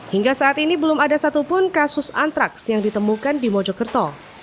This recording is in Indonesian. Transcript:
hingga saat ini belum ada satupun kasus antraks yang ditemukan di mojokerto